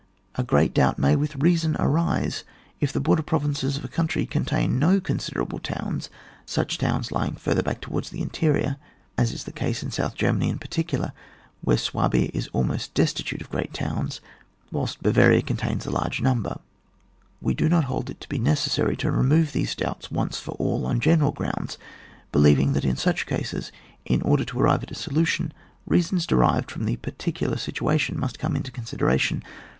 — A great doubt may with reason arise if the border provinces of a country contain no considerable towns, such towns lying further back towards the interior, as is the case in South Germany in parti cular, where Swabia is almost destitute of great towns,, whilst Bavaria contains a larg^ number. We do not hold it to be necessary to remove these doubts once for all on general grounds, believing that in such cases, in order to arrive at a solu tion, reasons derived from the particular situation must come into consideration.